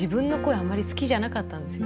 あんまり好きじゃなかったんですよね。